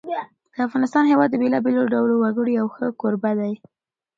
د افغانستان هېواد د بېلابېلو ډولو وګړو یو ښه کوربه دی.